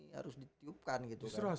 justru harus dipertemukan ya